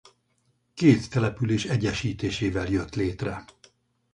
Két település egyesítésével jött létre.